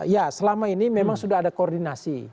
ya selama ini memang sudah ada koordinasi